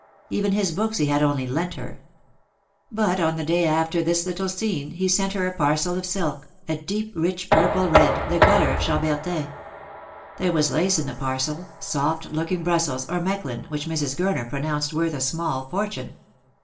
Even his books he had only 84 Lost for Love. lent her. But on the day after this little scene he sent her a parcel of silk, a deep rich purple red, the colour of Chambertin. There was lace in the parcel, soft looking Brussels, or Mechlin, which Mrs. Gurner pronounced worth a small fortune.